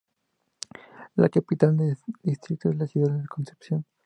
La capital del distrito es la ciudad de Concepción.